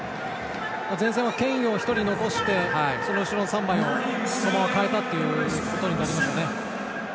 前線はケインを残してその後ろ３枚を代えたということになりましたね。